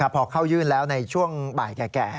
พอเข้ายื่นแล้วในช่วงบ่ายแก่